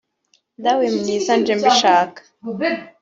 Dawe mwiza nje mbishaka